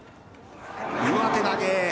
上手投げ。